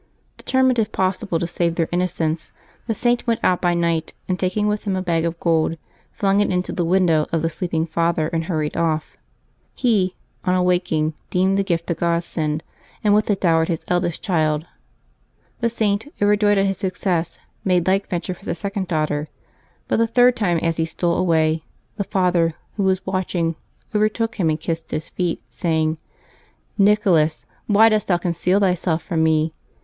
Determined, if possible, to save their innocence, the .Saint went out by night, and, taking with him a bag of gold, flung it into the window of the sleeping father and hurried off. He, on awaking, deemed the gift a godsend, and with it dowered his eldest child. The Saint, overjoyed at his success, made like venture for the second daughter; but the third time as he stole away, the father, who was watching, overtook him and kissed his feet, saying :" Nicholas, why dost thou conceal thyself from me?